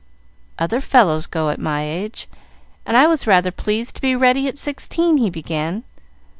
"Other fellows go at my age, and I was rather pleased to be ready at sixteen," he began.